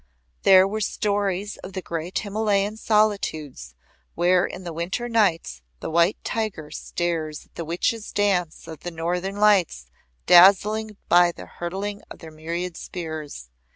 There were stories of the great Himalayan solitudes where in the winter nights the white tiger stares at the witches' dance of the Northern Lights dazzled by the hurtling of their myriad spears.